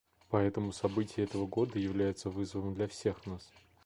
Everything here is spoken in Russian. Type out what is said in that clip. Поэтому события этого года являются вызовом для всех нас.